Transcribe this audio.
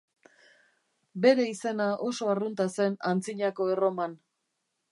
Bere izena oso arrunta zen Antzinako Erroman.